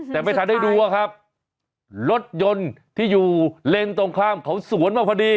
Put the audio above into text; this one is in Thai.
แต่ไม่ทันได้ดูอะครับรถยนต์ที่อยู่เลนส์ตรงข้ามเขาสวนมาพอดี